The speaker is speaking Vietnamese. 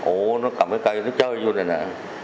ủ nó cầm cái cây nó chơi vô này nè